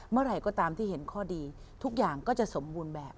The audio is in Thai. เมื่อไหร่ก็ตามที่เห็นข้อดีทุกอย่างก็จะสมบูรณ์แบบ